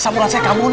asam ulasan kamu ini